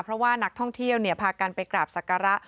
เพราะว่านักท่องเที่ยวพากันไปกราบศักระ